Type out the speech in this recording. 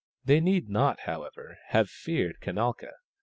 They need not, however, have feared Kanalka.